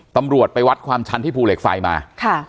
ตำรวจไปวัดความชันที่ภูเหล็กไฟมาค่ะ